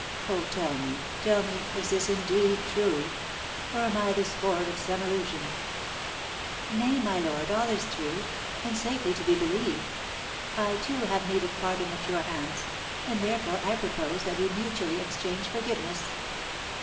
Oh, tell me, tell me, is this indeed true? Or am I the sport of some illusion?" "Nay, my lord, all is true, and safely to be believed. I, too, have need of pardon at your hands, and therefore I propose that we mutually exchange forgiveness."